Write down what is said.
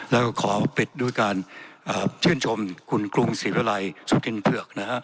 แล้วก็ขอปิดด้วยการชื่นชมคุณกรุงศิรัยสุธินเผือกนะฮะ